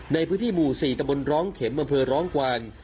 ในพื้นที่หมู่๔ตะบนร้องเข็มอำเภอร้องกวาง